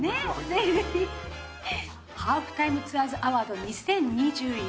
ハーフタイムツアーズアワード２０２１。